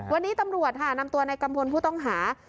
วันนี้ตำรวจค่ะนำตัวในกัมพลผู้ต้องหา